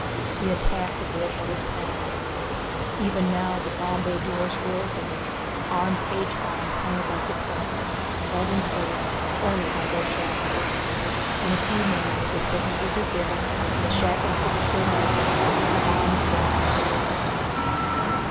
The attack would go ahead as planned. Even now, the bomb bay doors were opening; armed H bombs hung above the planet, held in place only by their shackles. In a few minutes the signal would be given and the shackles would spring open, the bombs drop clear....